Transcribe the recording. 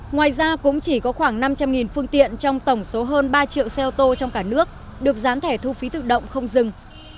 ngoài ra cũng chỉ có khoảng năm trăm linh phương tiện trong tổng số hơn ba triệu xe ô tô trong cả nước được gián thẻ thu phí tự động không dừng